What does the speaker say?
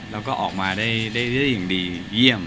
แล้วก็ออกมาได้อย่างดีเยี่ยม